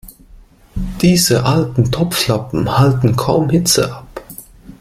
Diese alten Topflappen halten kaum Hitze ab.